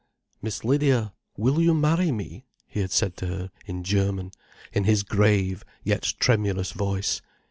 "Miss Lydia, will you marry me?" he had said to her in German, in his grave, yet tremulous voice.